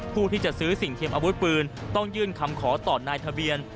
ผู้ที่จะซื้อสิ่งเทียมอาวุธปืนต้องยื่นคำขอต่อนายทะเบียน